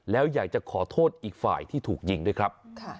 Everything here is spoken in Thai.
แล้วอยากจะขอโทษอีกฝ่ายที่ถูกยิงด้วยครับ